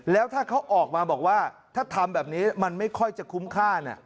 แล้วถ้าเขาออกมาบอกว่าถ้าทำแบบนี้มันไม่ค่อยจะคุ้มค่า